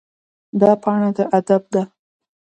دا پاڼه د ادب ده.